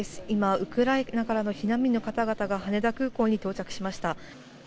今、ウクライナからの避難民の方々が、羽田空港に到着しました。